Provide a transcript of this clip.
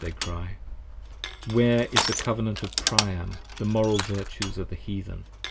They Cry: Where is the Covenant of Priam, the Moral Virtues of the Heathen?